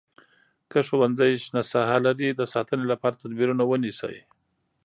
که ښوونځی شنه ساحه لري د ساتنې لپاره تدبیرونه ونیسئ.